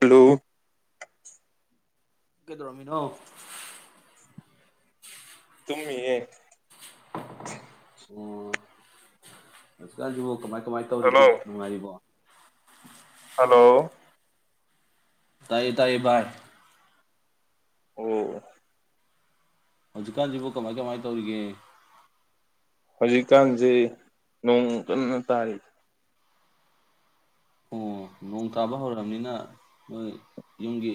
Hello ꯀꯩꯗꯧꯔꯝꯃꯤꯅꯣ ꯇꯨꯝꯃꯤ ꯌꯦ [unintelligible] ꯑꯣ ꯍꯧꯖꯤꯛꯀꯥꯟ ꯁꯤꯕꯨ ꯀꯃꯥꯏ ꯀꯃꯥꯏꯅ ꯍꯜꯂꯣ ꯇꯧꯔꯤꯒꯦ ꯅꯨꯡꯉꯥꯏꯔꯤꯕꯣ ꯍꯜꯂꯣ ꯇꯥꯌꯦ ꯇꯥꯌꯦ ꯚꯥꯏ ꯑꯣ ꯍꯧꯖꯤꯛꯀꯥꯟꯁꯤꯕꯨ ꯀꯃꯥꯏ ꯀꯃꯥꯏ ꯇꯧꯔꯤꯒꯦ ꯍꯧꯖꯤꯛꯀꯥꯟꯖꯦ ꯅꯣꯡ ꯀꯟꯅ ꯇꯥꯔꯤ ꯑꯣ ꯅꯣꯡ ꯇꯥꯕ ꯍꯧꯔꯕ ꯅꯤꯅ ꯅꫭꯏ ꯌꯨꯝꯒꯤ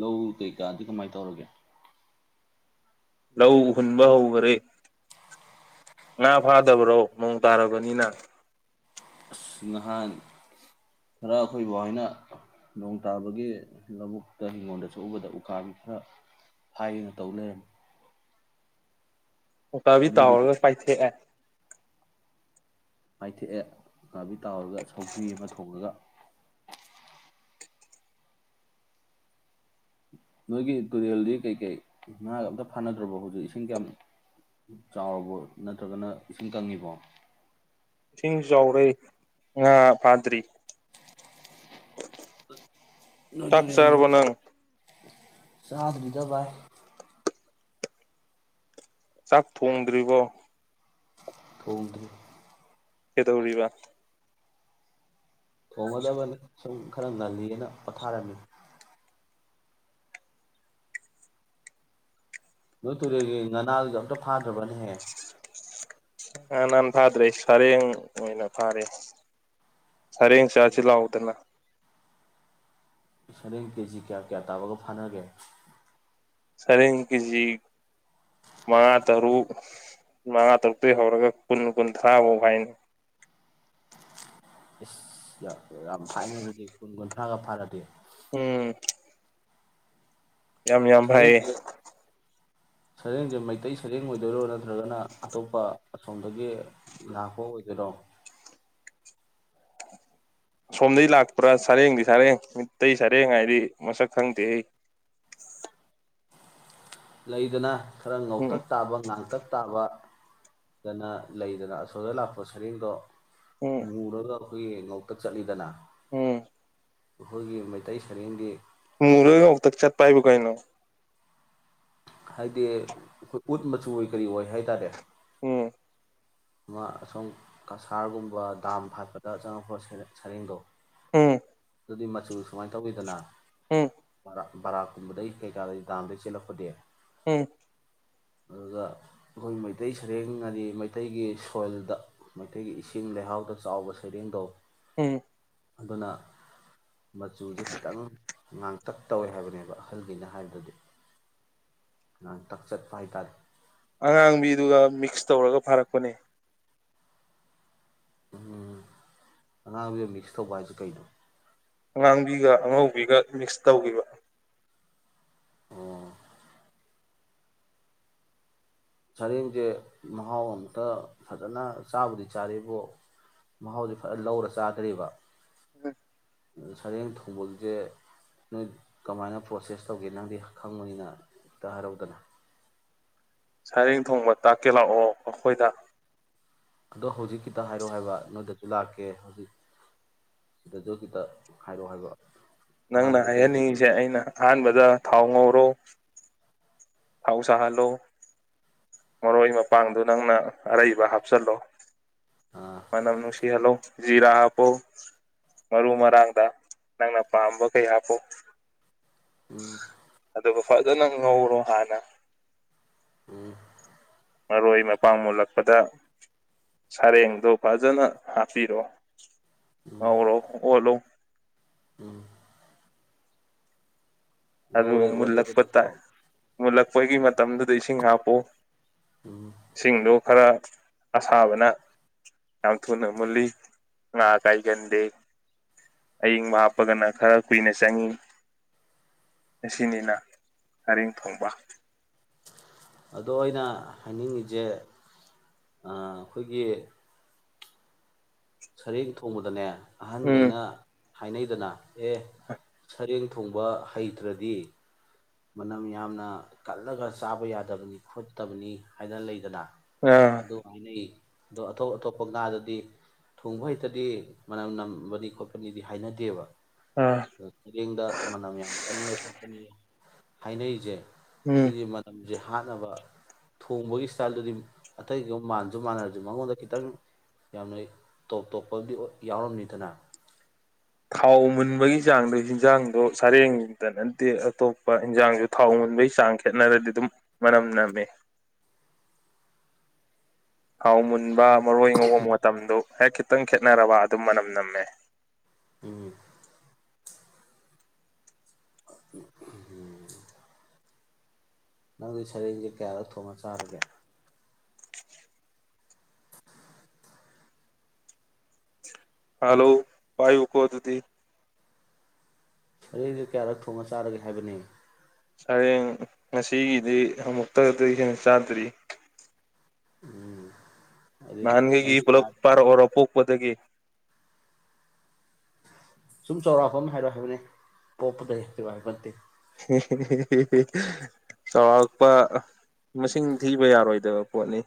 ꯂꯧ ꯀꯩꯀꯥꯗꯤ ꯀꯃꯥꯏ ꯇꯧꯔꯤꯒꯦ ꯂꯧ ꯍꯨꯟꯕ ꯍꯧꯈꯔꯦ ꯉꯥ ꯐꯥꯗꯕ꯭ꯔꯣ ꯅꯣꯡ ꯇꯥꯔꯕꯅꯤꯅ ꯑꯁ ꯅꯍꯥꯟ ꯈꯔ ꯑꯩꯈꯣꯏ ꯕꯥ ꯍꫭꯏꯅ ꯅꯣꯡ ꯇꯥꯕꯒꯤ ꯂꯧꯕꯨꯛꯇ ꯍꯤꯡꯒꯣꯜꯗ ꯊꫭꯛ ꯎꯕꯗ ꯎꯀꯥꯕꯤ ꯈꯔ ꯐꯥꯌꯦꯅ ꯇꯧ ꯂꯩꯔꯝꯃꯤ ꯎꯀꯥꯕꯤ ꯅꯣꯏꯒꯤꯗꯤ ꯇꯥꯎꯔꯒ ꯄꯥꯏꯊꯦꯛꯑꯦ ꯄꯥꯏꯊꯦꯛꯑꯦ ꯎꯀꯥꯕꯤ ꯇꯥꯎꯔꯒ ꯁꯧꯒ꯭ꯔꯤ ꯑꯃ ꯊꯣꯡꯉꯒ ꯅꯣꯏꯒꯤ ꯇꯨꯔꯦꯜꯗꯤ ꯀꯩꯀꯩ ꯉꯥꯒ ꯑꯝꯇ ꯐꯥꯅꯗ꯭ꯔꯕꯣ ꯍꯧꯖꯤꯛ ꯏꯁꯤꯡ ꯀꯌꯥꯝ ꯆꯥꯎꯔꯕꫭ ꯅꯠꯇ꯭ꯔꯒꯅ ꯏꯁꯤꯡ ꯀꯪꯉꯤꯕꯣ ꯏꯁꯤꯡ ꯆꯥꯎꯔꯦ ꯉꯥ ꯐꯥꯗ꯭ꯔꯤ [unintelligible] ꯆꯥꯛ ꯂꯗꯨꯔꯦꯟꯅꯦ ꯆꯥꯔꯕꯣ ꯅꯪ ꯆꯥꯗ꯭ꯔꯤꯗ ꯚꯥꯏ ꯆꯥꯛ ꯊꯣꯡꯗ꯭ꯔꯤꯕꯣ ꯊꫭꯡꯗ꯭ꯔꯤ ꯀꯩꯗꯧꯔꯤꯕ ꯊꯣꯡꯉꯗꯕꯅꯤ ꯁꯨꯝ ꯈꯔ ꯉꯜꯂꯤꯅ ꯄꯣꯊꯥꯔꯝꯃꯤ ꯅꯣꯏ ꯇꯨꯔꯦꯜꯒꯤ ꯉꯥꯅꯥ [unintelligible] ꯑꯝꯇ ꯐꯥꯗ꯭ꯔꯕ ꯅꯍꯦ ꯉꯥꯅꯥꯟ ꯐꯥꯗ꯭ꯔꯦ ꯁꯔꯦꯡ ꯑꯣꯏꯅ ꯐꯥꯔꯦ ꯁꯔꯦꯡ ꯆꯥꯁꯤ ꯂꯥꯛꯎ ꯗꯅ ꯁꯔꯦꯡ ꯀꯦꯖꯤ ꯀꯌꯥ ꯀꯌꯥ ꯇꯥꯕꯒ ꯐꯥꯅꯒꯦ ꯁꯔꯦꯡ ꯀꯦꯖꯤ ꯃꯉꯥ ꯇꯔꯨꯛ ꯃꯉꯥ ꯇꯔꯨꯛꯇꯩ ꯍꯧꯔꯒ ꯀꯨꯟ ꯀꯨꯟꯊꯔꯥ ꯕꯧ ꯍꯥꯏꯌꯦ ꯏꯁ ꯁ ꯌꯥ ꯌꯥꯝ ꯐꯥꯏꯅꯦ ꯑꯗꯨꯗꯤ ꯀꯨꯟ ꯀꯨꯟꯊ꯭ꯔꯥꯒ ꯐꯥꯔꯗꯤ ꯎꯝ [unintelligible] ꯌꯥꯝ ꯌꯥꯝ ꯐꯥꯏꯌꯦ ꯁꯔꯦꯡꯁꯦ ꯁꯔꯦꯡꯁꯦ ꯃꯩꯇꯩ ꯁꯔꯦꯡ ꯑꯣꯏꯗꯣꯏꯔꯣ ꯅꯠꯇ꯭ꯔꯒꯅ ꯑꯇꯣꯞꯄ ꯑꯁꯣꯝꯗꯒꯤ ꯂꯥꯛꯄ ꯑꯣꯏꯗꯣꯏꯔꯣ ꯁꯣꯝꯗꯒꯤ ꯂꯥꯛꯄ꯭ꯔꯥ ꯁꯔꯦꯡꯗꯤ ꯁꯥꯔꯦꯡ ꯃꯤꯇꯩ ꯁꯔꯦꯡ ꯍꯥꯏꯗꯤ ꯃꯁꯛ ꯈꯪꯗꯦ ꯍꯩ ꯂꯩꯗꯅ ꯈꯔ ꯎꯝ ꯉꯧꯛꯇꯛ ꯇꯥꯕ ꯉꯥꯡꯇꯛ ꯇꯥꯕ ꯗꯅ ꯂꯩꯗꯅ ꯑꯁꯣꯝꯗꯩ ꯂꯥꯛꯄ ꯁꯔꯦꯡꯗꯣ ꯎꯝ ꯃꯨꯔꯒ [unintelligible] ꯑꯈꯣꯏꯒꯤ ꯉꯧꯇꯛ ꯆꯠꯂꯤꯗꯅ ꯎꯝ ꯑꯈꯣꯏꯒꯤ ꯃꯩꯇꯩ ꯁꯔꯦꯡꯗꯤ ꯈꯔ ꯋꯥꯎꯇꯛ ꯆꯠꯄ ꯍꯥꯏꯕꯨ ꯀꯩꯏꯅꯣ ꯍꯥꯏꯗꯤ ꯎꯠ ꯃꯆꯨ ꯑꯣꯏ ꯀꯔꯤ ꯑꯣꯏ ꯍꯥꯏꯇꯥꯔꯦ ꯎꯝ ꯑꯃꯥ ꯑꯁꯣꯝ ꯀꯁꯥꯔꯒꯨꯝꯕ ꯗꯥꯝ ꯍꯥꯠꯄꯗ ꯆꯪꯉꯛꯄ꯭ ꯁꯔꯦꯡꯗꯣ ꯎꯝ ꯑꯗꯨꯗꯤ ꯃꯆꯨ ꯁꯨꯃꯥꯏ ꯇꯧꯋꯤꯗꯅ ꯎꯝ ꯕꯔꯥꯀꯨꯝꯕꯗꯩꯩ ꯀꯩꯀꯥꯗ ꯗꯥꯝꯗꯒꯤ ꯆꯦꯜꯂꯛꯄꯗꯤ ꯎꯝ ꯑꯗꯨꯒ ꯑꯩꯈꯣꯏ ꯃꯩꯇꯩ ꯁꯔꯦꯡ ꯍꯥꯏꯗꯤ ꯃꯩ ꯃꯩꯇꯩꯒꯤ ꯁꯣꯏꯜꯗ ꯃꯩꯇꯩꯒꯤ ꯏꯁꯤꯡ ꯂꯩꯍꯥꯎꯗ ꯆꯥꯎꯕ ꯁꯩꯔꯦꯡꯗꯣ ꯎꯝ ꯑꯗꯨꯅ ꯃꯆꯨꯁꯦ ꯈꯤꯇꯪ ꯉꯥꯡꯇꯛ ꯇꯧꯋꯦ ꯍꯥꯏꯕꯅꯦꯕ ꯑꯍꯜꯒꯤꯩꯅ ꯍꯥꯏꯕꯗꯗꯤ ꯉꯥꯡꯇꯛ ꯆꯠꯄ ꯍꯥꯏꯇꯥꯔꯦ ꯑꯉꯥꯡꯕꯤꯗꯨꯒ ꯃꯤꯛꯁ ꯇꯧꯔꯒ ꯐꯥꯔꯛꯄꯅꯦ ꯎꯝ ꯑꯉꯥꯡꯕꯤꯒ ꯃꯤꯛꯁ ꯇꯧꯕ ꯍꯥꯏꯁꯤ ꯀꯩꯩꯅꯣ ꯑꯉꯥꯡꯕꯤꯒ ꯑꯉꯧꯕꯤꯒ ꯃꯤꯛꯁ ꯇꯧꯈꯤꯕ ꯑꯣ ꯁꯔꯦꯡꯁꯦ ꯃꯍꯥꯎ ꯑꯃꯝꯇ ꯐꯖꯅ ꯆꯥꯕꯨꯗꯤ ꯆꯥꯔꯤꯕꯔꯤꯕꯣ ꯃꯍꯥꯎꯗꯤ ꯐꯖ ꯂꯧꯔ ꯆꯥꯗ꯭ꯦꯔꯤꯕ ꯑꯗꯨ ꯁꯔꯦꯡ ꯊꯣꯡꯕꯁꯦ ꯅꯣꯏ ꯀꯃꯥꯏꯅ ꯄ꯭ꯔꯣꯁꯦꯁ ꯇꯧꯒꯦ ꯅꯪꯗꯤ ꯈꯪꯕꯅꯤꯅ ꯑꯝꯇ ꯍꯥꯏꯔꯧꯗꯅ ꯁꯔꯦꯡ ꯊꯣꯡꯕ ꯇꯥꯛꯀꯦ ꯂꯥꯛꯑꯣ ꯑꯥꯈꯣꯏꯗ ꯑꯗꯣ ꯍꯧꯖꯤꯛ ꯈꯤꯇ ꯍꯥꯏꯔꯛꯑꯣ ꯍꯥꯏꯕ ꯅꯣꯏꯗꯁꯨ ꯂꯥꯛꯀꯦ ꯍꯧꯖꯤꯛ ꯁꯤꯗꯁꯨ ꯈꯤꯇ ꯍꯥꯏꯔꯛꯑꯣ ꯍꯥꯏꯕ ꯅꯪꯅ ꯑꯍꯥꯟꯕꯗ ꯀꯩ ꯀꯩ ꯍꯥꯏꯍꯟꯅꯤꯡꯉꯤꯁꯦ ꯃꯆꯜ ꯑꯩꯅ ꯑꯍꯥꯟꯕꯗ ꯊꯥꯎ ꯉꯧꯔꯣ [inaudible] ꯊꯥꯎ ꯁꯥꯍꯜꯂꯣ ꯃꯔꯣꯏ ꯃꯄꯥꯡꯗꯨ ꯅꯪꯅ ꯑꯔꯩꯕ ꯍꯥꯞꯆꯤꯜꯂꯣ ꯑꯥ ꯃꯥꯅꯝ ꯅꯨꯡꯁꯤ ꯍꯜꯂꯣ ꯖꯤꯔꯥ ꯍꯥꯞꯄꯨ ꯃꯔꯨ ꯃꯔꯥꯡꯗ ꯅꯪꯅ ꯄꯥꯝꯕ ꯀꯩ ꯍꯥꯞꯄꯨ ꯎꯝ ꯑꯗꯨꯕꯨ ꯐ ꯐꯖꯅꯥ ꯅꯧꯔꯣ ꯍꯅ ꯎꯝ ꯃꯔꯣꯏ ꯃꯄꯥꯡ ꯃꯨꯜꯂꯛꯄꯗ ꯁꯔꯦꯡꯗꯣ ꯐꯖꯅ ꯍꯥꯞꯄꯤꯔꯣ ꯎꯝ ꯍꯔꯣ ꯍꯣꯂꯣ ꯎꯝ ꯑꯗꯨꯒ ꯉꯧꯔꯦ ꯃꯨꯜꯂꯛꯄ ꯑꯣꯜꯂꯦꯗꯅꯀꯣ ꯇꯥꯏ ꯃꯨꯜꯂꯛꯄꯒꯤ ꯃꯇꯝꯗꯨꯗ ꯏꯁꯤꯡ ꯍꯥꯞꯄꯨ ꯎꯝ ꯏꯁꯤꯡꯗꯣ ꯈꯔ ꯑꯁꯥꯕꯅ ꯌꯥꯝ ꯊꯨꯅ ꯃꯨꯜꯂꯤ ꯉꯥ ꯀꯥꯏꯒꯟꯗꯦ ꯑꯌꯪꯕ ꯍꯥꯞꯄꯒꯅ ꯈꯔ ꯀꯨꯏꯅ ꯆꯪꯉꯤ ꯑꯁꯤꯅꯤꯅ ꯍꯔꯤꯡ ꯊꯣꯡꯕ ꯑꯗꯣ ꯑꯩꯅ ꯍꯥꯏꯅꯤꯡꯉꯤꯁꯦ ꯑꯩꯈꯣꯏꯒꯤ ꯁꯔꯦꯡ ꯊꯣꯡꯕꯗꯅꯦ ꯎꯝ ꯑꯍꯟꯈꯩꯅ ꯍꯥꯏꯅꯩꯗꯅ ꯑꯦ ꯁꯔꯦꯡ ꯊꯣꯡꯕ ꯍꯩꯇ꯭ꯔꯗꯤ ꯃꯅꯝ ꯌꯥꯝꯅ ꯀꯜꯂꯒ ꯆꯥꯕ ꯌꯥꯗꯕꯅꯤ ꯈꯣꯠꯇꯕꯅꯤ ꯍꯥꯏꯗ ꯂꯩꯗꯅ ꯑꯥ ꯑꯗꯣ ꯍꯥꯏꯅ ꯑꯗꯣ ꯑꯇꯣꯞ ꯑꯇꯣꯞꯄ ꯉꯥꯗꯗꯤ ꯊꯣꯡꯕ ꯍꯩꯇꯗꯤ ꯃꯅꯝ ꯅꯝꯕꯅꯤ ꯈꯣꯠꯄꯅꯤꯗꯤ ꯍꯥꯏꯅꯗꯦꯕ ꯑꯥ ꯑ ꯁꯔꯦꯡꯗ ꯃꯅꯝ ꯌꯥꯝ ꯀꯟꯕ ꯈꯣꯠꯄꯅꯤ ꯍꯥꯏꯅꯔꯤꯁꯦ ꯎꯝ ꯁꯤꯗꯤ ꯃ ꯍꯧꯖꯤꯛ ꯍꯥꯠꯅꯕ ꯊꯣꯡꯕꯒꯤ ꯏꯁꯇꯥꯏꯜꯗꯨꯗꯤ ꯑꯇꯩꯒ ꯃꯥꯟꯅꯁꯨ ꯃꯥꯟꯅꯔꯁꯨ ꯃꯉꯣꯟꯗ ꯈꯤꯇꯪ ꯌꯥꯝꯅ ꯇꯣꯞ ꯇꯣꯞꯄꯕꯨꯗꯤ ꯌꯥꯎꯔꯝꯅꯤꯗꯅ ꯊꯥꯎ ꯃꯨꯟꯕꯒꯤ ꯆꯥꯡꯗ ꯍꯟꯖꯥꯡꯗꯣ ꯁꯔꯦꯡꯗ ꯅꯠꯇꯦ ꯑꯇꯣꯞꯄ ꯏꯟꯖꯥꯡꯁꯨ ꯊꯥꯎ ꯃꯨꯟꯕꯒꯤ ꯆꯥꯡ ꯈꯦꯠꯅꯔꯗꯤ ꯑꯗꯨꯝ ꯃꯅꯝ ꯅꯝꯃꯦ ꯍꯥꯎꯃꯟꯕ ꯃꯔꯣꯏ ꯉꯧꯕ ꯃꯇꯝꯗꯣ ꯍꯦꯛ ꯛꯇꯪ ꯈꯦꯠꯅꯔꯕ ꯑꯗꯨꯝ ꯃꯅꯝ ꯅꯝꯃꯦ ꯎ ꯅꯪꯒꯤ ꯁꯔꯦꯡꯁꯦ ꯀꯌꯥꯗꯛ ꯊꯣꯡꯅ ꯆꯥꯔꯒꯦ ꯍꯂꯣ ꯄꯥꯏꯕꯨꯀꯣ ꯑꯗꯨꯗꯤꯤ ꯑꯩꯁ ꯀꯌꯥꯔꯛ ꯊꯣꯡꯉ ꯆꯥꯔꯒꯦ ꯍꯥꯏꯕꯅꯤ ꯁꯔꯦꯡ ꯉꯁꯤꯒꯤꯗꯤ ꯑꯃꯨꯛꯇꯗꯤ ꯍꯦꯟꯅ ꯆꯥꯗ꯭ꯔꯤ ꯎꯝ ꯑꯗꯨꯗꯤ ꯅꯪꯒ ꯏ ꯅꯪꯒꯤ ꯐꯂ ꯂꯥꯏꯐ ꯄꯔꯔꯄꯄꯗꯗꯒꯤꯦ ꯁꯨꯝ ꯆꯥꯎꯔꯥꯛꯐꯝ ꯍꯥꯏꯔꯣ ꯍꯥꯏꯕꯅꯦ ꯄꯣꯛꯄꯗ ꯍꯥꯏ ꯍꯥꯏꯕ ꯅꯠꯇꯦ ꯆꯥꯎꯔꯥꯛꯥꯛꯄ ꯃꯁꯤꯡ ꯊꯤꯕ ꯌꯥꯔꯣꯏꯗꯕ ꯄꯣꯠꯅꯤ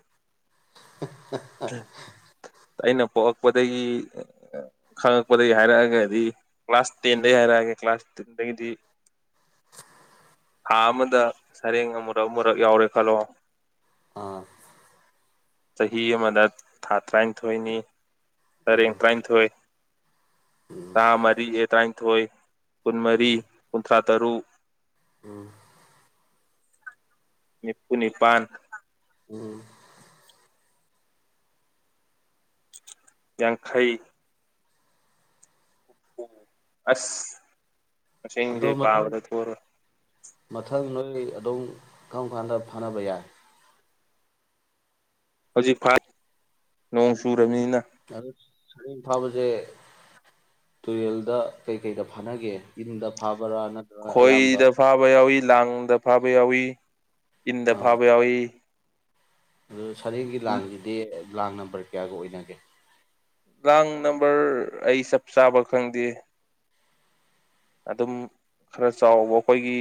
ꯑꯩꯅ ꯄꯂꯛꯄꯗꯒꯤ ꯈꯉꯛꯄꯗꯒꯤ ꯍꯥꯏꯔꯛꯑꯒꯗꯤ ꯀ꯭ꯂꯥꯁ ꯇꯦꯟꯗꯒꯤ ꯍꯥꯏꯔꯛꯑꯒ ꯀ꯭ꯂꯥꯁ ꯇꯦꯟꯗꯒꯤꯗꯤ ꯊꯥ ꯑꯃꯗ ꯁꯔꯦꯡ ꯑꯃꯨꯔꯛ ꯃꯨꯔꯛ ꯌꯥꯎꯔꯦ ꯈꯜꯂꯣ ꯑꯥ ꯆꯍꯤ ꯑꯃꯗ ꯊꯥ ꯇꯔꯥꯅꯤꯊꯣꯏꯅꯤ ꯁꯔꯦꯡ ꯇꯔꯥꯅꯤꯊꯣꯏ ꯊꯥ ꯃꯔꯤ ꯑꯦ ꯇꯔꯥꯅꯤꯊꯣꯏ ꯀꯨꯟꯃꯔꯤ ꯎꯝ ꯈꯥ ꯇꯔꯨꯛ ꯅꯤꯄꯨ ꯅꯤꯄꯥꯟ ꯎꯝ ꯌꯥꯡꯈꯩ ꯑꯁ ꯑꯗꯣ ꯗꯤꯦ ꯃꯊꯪ ꯄꯕꯗ ꯊꯔ ꯃꯊꯪ ꯅꯣꯏ ꯑꯗꯨꯝ ꯀꯔꯝ ꯀꯥꯟꯗ ꯐꯅꯕ ꯌꯥꯏ ꯍꯧꯖꯤꯛ ꯐ ꯅꯣꯡ ꯆꯨ ꯄꯃꯤꯅ ꯑꯗꯨ ꯁꯔꯦꯡ ꯐꯥꯕꯁꯦ ꯇꯨꯔꯦꯜꯗ ꯀꯩꯀꯩꯗ ꯐꯥꯅꯒꯦ ꯏꯟꯗꯥ ꯈꯣꯏ ꯗꯐꯥꯕ ꯑꯣꯏꯏ ꯂꯥꯡꯗ ꯐꯥꯕ ꯌꯥꯎꯏꯤ ꯏꯟ ꯐꯥꯕ ꯌꯥꯏ ꯎꯝ ꯁꯔꯦꯡꯒꯤ ꯂꯥꯡꯁꯤꯗꯤ ꯂꯥꯡ ꯅꯝꯕꯔ ꯀꯌꯥꯒ ꯑꯣꯏꯅꯒꯦ ꯂꯥꯡ ꯅꯝꯕꯔ ꯑꯩ ꯆꯞ ꯆꯥꯕ ꯈꯪꯗꯦ ꯑꯗꯨꯝ ꯈꯔ ꯆꯥꯎꯕ ꯑꯩꯈꯣꯏꯒꯤ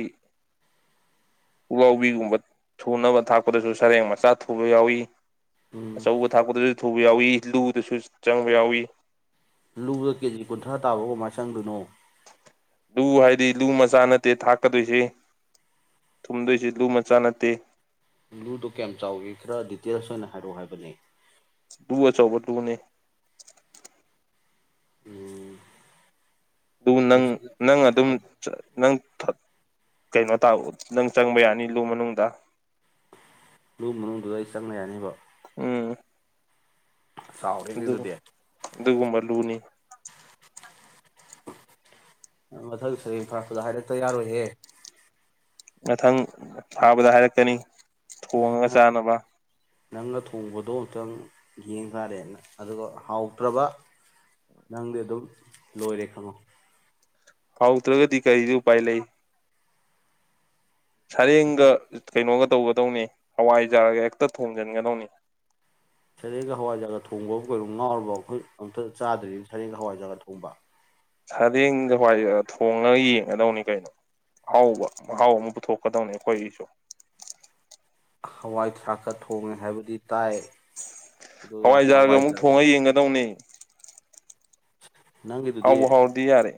ꯄꯨꯂꯥꯎꯕꯤꯒꯨꯝꯕ ꯊꯨꯅꯕ ꯊꯥꯛꯄꯗꯁꯨ ꯁꯔꯦꯡ ꯃꯆꯥ ꯊꯨꯕ ꯌꯥꯎꯏꯤ ꯎꯝ ꯑꯆꯧꯕ ꯊꯥꯛꯄꯗꯁꯨ ꯊꯨꯕ ꯌꯥꯎꯏꯤ ꯂꯨꯗꯁꯨ ꯆꯪꯕ ꯌꯥꯎꯏ ꯂꯨꯗ ꯀꯦꯖꯤ ꯀꯨꯟꯊ꯭ꯔꯥ ꯇꯥꯕ ꯀꯃꯥꯏꯅ ꯆꯪꯗꯣꯏꯅꯣ ꯂꯨ ꯍꯥꯏꯗꯤ ꯂꯨ ꯃꯆꯥ ꯅꯠꯇꯦ ꯊꯥꯛꯀꯗꯣꯏꯁꯦ ꯊꯨꯝꯗꯣꯏꯁꯦ ꯂꯨ ꯃꯆꯥ ꯅꯠꯇꯦ ꯕ꯭ꯂꯨꯗꯣ ꯀꯌꯥꯝ ꯆꯥꯎꯏꯤ ꯈꯔ ꯗꯤꯇꯦꯜꯁ ꯑꯣꯏꯅ ꯍꯥꯏꯔꯛꯑꯣ ꯍꯥꯏꯕꯅꯦ ꯇꯨ ꯑꯆꯣꯕ ꯇꯨꯅꯦ ꯎꯝ ꯑꯗꯨ ꯅꯪ ꯑꯁꯤꯗ ꯅꯪ ꯑꯗꯨꯝ ꯅꯪ ꯀꯩꯅꯣ ꯇꯥ ꯅꯪ ꯆꯪꯕ ꯌꯥꯅꯤ ꯂꯨ ꯃꯅꯨꯡꯗ ꯂꯨ ꯃꯅꯨꯡꯗꯨꯗ ꯑꯩ ꯆꯪꯕ ꯌꯥꯅꯤꯕ ꯎꯝ ꯆꯥꯎꯔꯦꯅꯦ ꯑꯗꯨ ꯑꯗꯨꯗꯤ ꯑꯗꯨꯒꯨꯝꯕ ꯂꯨꯅꯤ ꯃꯊꯪ ꯁꯔꯤ ꯐꯥꯔꯛꯄꯗ ꯍꯥꯏꯔꯛꯇ ꯌꯥꯔꯣꯏꯍꯦ ꯃꯊꯪ ꯊꯥꯕꯗ ꯍꯥꯏꯔꯛꯀꯅꯤ ꯊꯣꯡꯉꯒ ꯅꯪꯅ ꯆꯥꯅꯕ ꯅꯪꯅ ꯊꯣꯡꯕꯗꯣ ꯑꯃꯇꯪ ꯌꯦꯡ ꯇꯥꯔꯦꯅ ꯑꯗꯨꯒ ꯍꯥꯎꯇ꯭ꯔꯕ ꯅꯪꯗꯤ ꯑꯗꯨꯝ ꯂꯣꯏꯔꯦ ꯈꯪꯉꯣ ꯍꯥꯎꯗ꯭ꯔꯒꯗꯤ ꯀꯔꯤꯗꯤ ꯎꯄꯥꯏ ꯂꯩ ꯁꯔꯦꯡꯒ ꯀꯩꯅꯣꯒ ꯇꯧꯒꯗꯧꯅꯤ ꯍꯋꯥꯏꯖꯥꯔꯒ ꯍꯦꯛꯇ ꯊꯣꯡꯖꯤꯟꯒꯗꯧꯅꯤ ꯁꯔꯦꯡꯒ ꯍꯋꯥꯏꯖꯒꯥꯒ ꯊꯣꯡꯕ ꯀꯩꯩꯅꯣ ꯉꯥꯎꯔꯕꯣ ꯑꯩꯈꯣꯏ ꯑꯝꯇ ꯆꯥꯗ꯭ꯔꯤꯅ ꯁꯔꯦꯡꯒ ꯍꯋꯥꯏꯖꯒꯥ ꯊꯣꯡꯕ ꯁꯔꯦꯡꯒ ꯍꯋꯥꯏꯖꯥꯔꯒ ꯊꯣꯉꯒ ꯌꯦꯡꯒꯗꯧꯅꯤ ꯀꯩꯅꯣ ꯑꯍꯥꯎꯕ ꯃꯍꯥꯎ ꯑꯃ ꯄꯨꯊꯣꯛꯀꯗꯧꯅꯤ ꯑꯩꯈꯣꯏꯒꯤꯁꯨ ꯍꯋꯥꯏ ꯊꯔꯥꯛꯀ ꯊꯣꯡꯉꯦ ꯍꯥꯏꯕꯗꯤ ꯇꯥꯏ ꯍꯋꯥꯏꯖꯥꯔꯒ ꯑꯃꯨꯛ ꯊꯣꯡꯉꯒ ꯌꯦꯡꯒꯗꯧꯅꯦ ꯅꯪꯒꯤꯗꯨꯗꯤ ꯍꯥꯎꯕꯨ ꯍꯥꯎꯗꯤ ꯌꯥꯔꯦ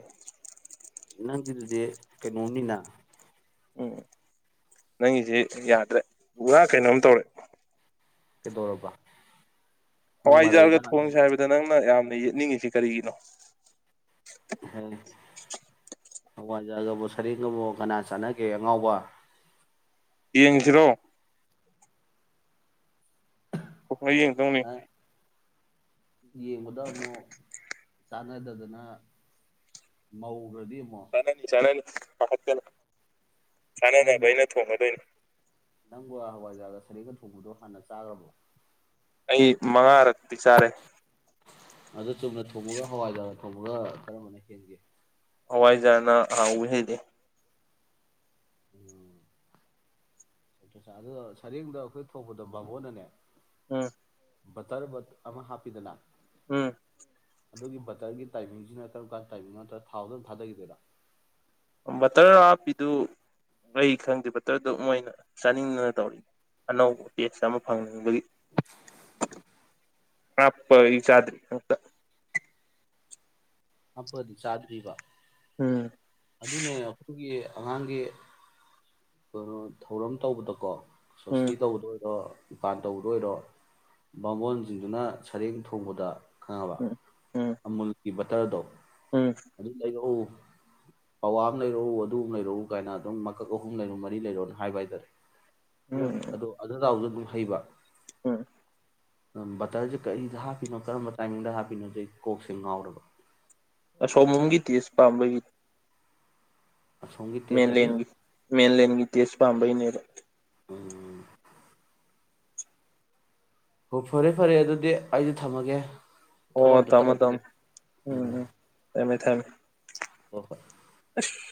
ꯅꯪꯒꯤꯗꯨꯗꯤ ꯀꯩꯅꯣꯝꯅꯤꯅ ꯎꯝ ꯅꯪꯒꯤꯁꯦ ꯌꯥꯗ꯭ꯔꯦ ꯄꯨꯔꯥ ꯀꯩꯅꯣꯝ ꯇꯧꯔꯦ ꯀꯩꯗꯧꯔꯕ ꯅꯪ ꯍꯋꯥꯏꯖꯥꯔꯒ ꯃꯔꯩꯗ ꯊꯣꯡꯁꯦ ꯍꯥꯏꯕꯗ ꯅꯪꯅ ꯌꯥꯝ ꯅ ꯌꯦꯠꯅꯤꯡꯉꯤꯁꯤ ꯀꯔꯤꯒꯤꯅꯣ ꯍ ꯍꯋꯥꯖꯥꯔꯒꯕꯨ ꯁꯔꯦꯡꯒꯕꯨ ꯀꯅꯥ ꯆꯥꯟꯅꯒꯦ ꯑꯉꯥꯎꯕ ꯌꯦꯡꯁꯤꯔꯣ ꯍꯣꯏ ꯌꯦꯡ ꯇꯧꯅꯤ ꯌꯦꯡꯕꯗ ꯑꯃꯨꯛ ꯆꯥꯟꯅꯗꯗꯅ ꯃꯧ [unintelligible] ꯆꯥꯅꯅꯤ ꯆꯥꯅꯅꯤ ꯄꯥꯈꯠꯀꯅꯨ꯫ ꯆꯥꯅꯅꯕ ꯑꯩꯅ ꯊꯣꯡꯉꯗꯣꯏꯅꯤ꯫ ꯅꯪꯕꯣ ꯍꯋꯥꯏꯖꯥꫪꯒ ꯁꯔꯦꯡꯒ ꯊꯣꯡꯕꯗꯣ ꯍꯥꯟꯅ ꯆꯥꯈ꯭ꯔꯕꯣ꯫ ꯑꯩ ꯃꯉꯥꯔꯛꯇꯤ ꯆꯥꯔꯦ꯫ ꯑꯗꯨꯗ꯫ ꯆꯨꯝꯅ ꯊꯣꯡꯉꯒ ꯍꯋꯥꯏꯖꯥꫪ꯫ ꯊꫭꯡꯕꯒ ꯀꯔꯝꯕꯅ ꯍꯦꯟꯒꯦ꯫ ꯍꯋꯥꯏꯖꯥꫪꯅ ꯍꯥꯎ ꯍꯦꯜꯂꯤ꯫ ꯎꯝ ꯁꯔꯦꯡꯗ ꯑꯩꯈꯣꯏ ꯊꯧꯕꯗ ꯕꯥꯥꯃꫭꯟꯅꯅꯦ꯫ ꯎꯝ꯫ ꯕꯇꫪꯕꯠ ꯑꯃ ꯍꯥꯞꯄꯤꯗꯅꯥ꯫ ꯎꯝ꯫ ꯑꯗꯨꯒꯤ ꯕꯇꫪꯒꯤ ꯇꯥꯏꯃꯤꯡꯁꯤꯅ ꯀꯔꯝ ꯀꯥꯟ ꯇꯥꯏꯃꯤꯡ ꯅꯠꯇ꯭ꯔ ꯊꯥꯎꯗꯝ ꯊꯥꯗꯈꯤꯗꯣꯏꯔ꯫ ꯕꯇꫪ ꯍꯥꯞꯄꯤꯗꯨ꯫ ꯑꯩ ꯈꯪꯗꯦ ꯕꯠꯇꫪꯗꯨ ꯃꯣꯏꯅ ꯆꯥꯅꯤꯡꯗꯅ ꯇꯧꯔꯤ ꯑꯅꯧꯕ ꯇꯦꯁ ꯑꯃ ꯐꯪꯅꯤꯡꯕꯒꯤ꯫ ꯍꯥꯞꯄ ꯑꯩ ꯆꯥꯗ꯭ꯔꯤ ꯑꯪꯇꯥ꯫ ꯍꯥꯞꯄꯗꯤ ꯆꯥꯗ꯭ꯔꯤꯕ꯫ ꯎꯝ꯫ ꯑꯗꯨꯅꯦ ꯑꯩꯈꯣꯏꯒꯤ ꯑꯉꯥꯡꯒꯤ ꯀꯩꯅꯣ ꯊꯧꯔꯝ ꯇꯧꯕꯗꯀꯣ꯫ ꯁꫭꯁꯇꯤ ꯎꯝ ꯇꯧꯕꯗ ꯑꫭꯏꯔꫭ꯫ ꯏꯄꯥꯟ ꯇꯧꯕꯗ ꯑꯣꯏꯔꯣ ꯕꯥꯃꯣꯟꯁꯤꯡꯗꯨꯅ ꯁꯔꯦꯡ ꯊꯣꯡꯕꯗ꯫ ꯈꯪꯉꯕ ꯎꯝ ꯑꯃꯨꯜ꯫ ꯀꯤꯕꯇꫪꯗꯣ꯫ ꯎꯝ ꯑꯗꯨ ꯂꯩꯌꯨ꯫ ꯄꯋꯥ ꯑꯃ ꯂꯩꯔꯛꯎ ꯑꯗꯨ ꯑꯃ ꯂꯩꯔꯛꯎ ꯀꯥꯏꯅ ꯑꯗꯨꯝ ꯃꯀꯛ ꯑꯍꯨꯝ ꯂꯩꯔꯨ ꯃꯔꯤ ꯂꯩꯔꯣꯅ ꯍꯥꯏꯕ ꯍꯥꯏꯇꯥꯔꯦ ꯑꯩꯅ ꯑꯗꯨ ꯑꯗꯨ ꯇꯥꯎꯖ ꯍꯩꯕ ꯑ ꯕꯇꯔꯁꯦ ꯀꯔꯤꯗ ꯍꯥꯞꯄꯤꯅꯣ ꯀꯔꯝꯕ ꯇꯥꯏꯃꯤꯡꯗ ꯍꯥꯞꯄꯤꯅꯣ ꯁꯦ ꯀꯣꯛꯁꯦ ꯉꯥꯎꯔꯕ ꯑꯁꯣꯝ ꯔꯣꯝꯒꯤ ꯇꯦꯁ ꯄꯥꯝꯕꯩ ꯑꯁꯣꯝꯒꯤ ꯃꯦꯟ ꯇꯦꯁ ꯑꯗꯤ ꯂꯦꯟꯒꯤ ꯃꯦꯟ ꯂꯦꯟꯒꯤ ꯇꯦꯁ ꯄꯥꯝꯕꯩꯅꯦꯕ ꯍ ꯐꯔꯦ ꯐꯔꯦ ꯑꯗꯨꯗꯤ ꯑꯩꯁꯨ ꯊꯝꯃꯒꯦ ꯊꯕꯛ ꯑꯣ ꯑꯝꯇ ꯊꯃꯣ ꯊꯝ ꯇꯧꯈꯤꯒꯦ ꯎꯝ ꯎꯝꯃꯦ ꯊꯃꯦ ꯍ ꯍꯣꯏ ꯑꯁ